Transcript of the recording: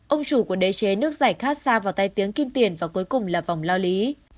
ông chủ của đế chế nước giải khát xa vào tay tiếng kim tiền và cuối cùng là vòng lao lý